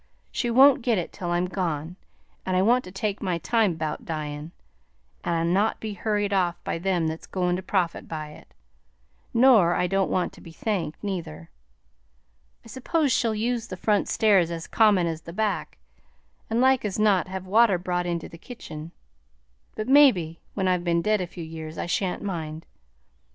She won't git it till I'm gone, and I want to take my time 'bout dyin' and not be hurried off by them that's goin' to profit by it; nor I don't want to be thanked, neither. I s'pose she'll use the front stairs as common as the back and like as not have water brought into the kitchen, but mebbe when I've been dead a few years I shan't mind.